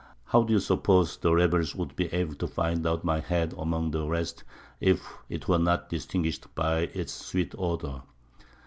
How do you suppose the rebels would be able to find out my head among the rest, if it were not distinguished by its sweet odour?"